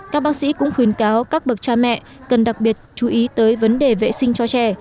các bác sĩ cũng khuyến cáo các bậc cha mẹ cần đặc biệt chú ý tới vấn đề vệ sinh cho trẻ